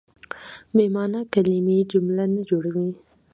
بې مانا کیلمې جمله نه جوړوي.